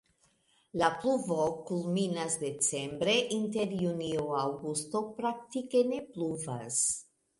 La pluvo kulminas decembre, inter junio-aŭgusto praktike ne pluvas.